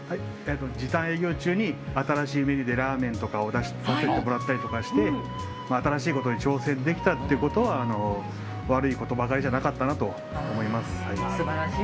時短営業中に新しいメニューでラーメンを出させてもらったりして新しいメニューに挑戦できたっていうことは悪いことばかりじゃなかったなと思います。